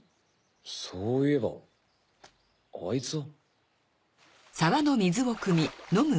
そういえばあいつは。